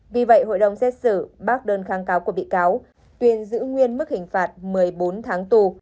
vì vậy hội đồng xét xử bác đơn kháng cáo của bị cáo tuyên giữ nguyên mức hình phạt một mươi bốn tháng tù